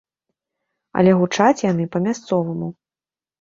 Але гучаць яны па-мясцоваму.